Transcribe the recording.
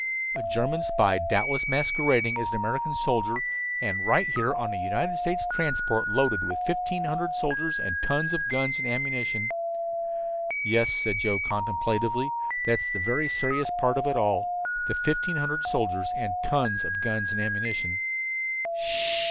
"A German spy, doubtless masquerading as an American soldier, and right here on a United States transport loaded with fifteen hundred soldiers and tons of guns and ammunition." "Yes," said Joe contemplatively, "that's the very serious part of it all the fifteen hundred soldiers and tons of guns and ammunition."